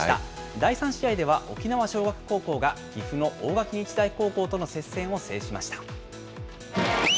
第３試合では沖縄尚学高校が岐阜の大垣日大高校との接戦を制しました。